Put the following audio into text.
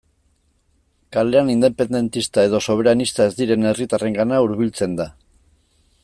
Kalean independentista edo soberanista ez diren herritarrengana hurbiltzen da.